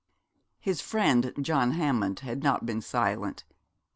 His friend John Hammond had not been silent.